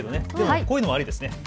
こういうのもありですね。